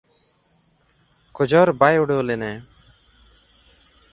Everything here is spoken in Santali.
ᱠᱚᱡᱚᱨ ᱵᱟᱭ ᱩᱰᱟᱹᱣ ᱞᱮᱱᱟᱭ᱾